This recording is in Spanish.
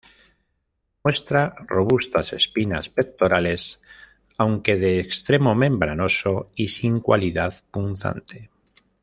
Muestra robustas espinas pectorales, aunque de extremo membranoso y sin cualidad punzante.